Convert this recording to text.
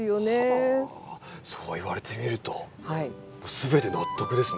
はあそう言われてみると全て納得ですね。